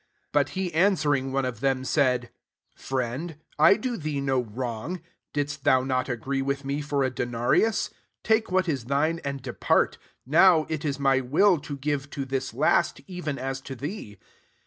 13 But he an sweriDg one of them, said, * Friend, I do thee no wrong : <Hdst thou not agree with me for a denarius ? 14 Take what is thine, and depart : now it is my will to give to this last, even as to thee.